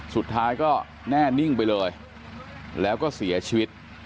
สุดท้ายก็แน่นิ่งไปเลยแล้วก็เสียชีวิต